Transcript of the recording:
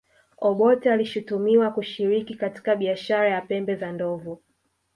obote alishutumiwa kushiriki katika biashara ya pembe za ndovu